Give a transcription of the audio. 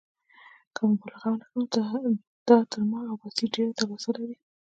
که مبالغه ونه کړم، دا تر ما او بصیر ډېره تلوسه لري.